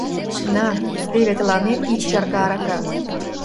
На, теве тыланет ик чарка арака.